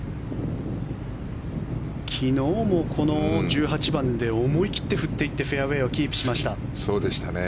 昨日もこの１８番で思い切って振っていってフェアウェーをキープしました。